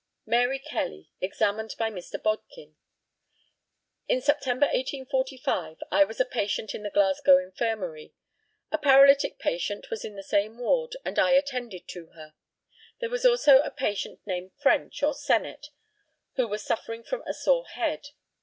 MARY KELLY, examined by Mr. BODKIN: In September, 1845, I was a patient in the Glasgow Infirmary; a paralytic patient was in the same ward, and I attended to her. There was also a patient named French or Sennett who was suffering from a sore head.